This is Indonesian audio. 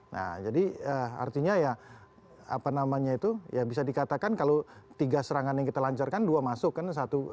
nah jadi artinya ya apa namanya itu ya bisa dikatakan kalau tiga serangan yang kita lancarkan dua masuk kan satu